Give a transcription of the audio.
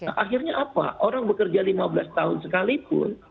akhirnya apa orang bekerja lima belas tahun sekalipun